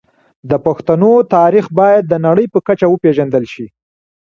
د پښتنو تاريخ بايد د نړۍ په کچه وپېژندل شي.